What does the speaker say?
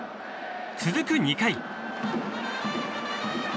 続く２回。